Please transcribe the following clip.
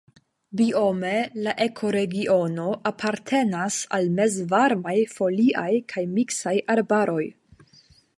Biome la ekoregiono apartenas al mezvarmaj foliaj kaj miksaj arbaroj.